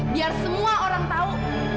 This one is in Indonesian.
biar semua orang tau